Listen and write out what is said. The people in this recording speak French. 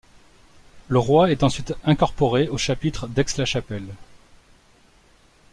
Le roi est ensuite incorporé au chapitre d'Aix-la-Chapelle.